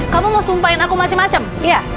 kamu mau sumpahin aku macem macem ya